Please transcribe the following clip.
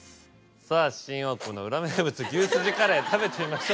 さぁ新大久保の裏名物牛すじカレー食べてみましょう。